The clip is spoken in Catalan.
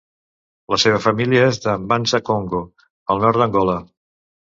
La seva família és de M'banza-Kongo, al nord d'Angola.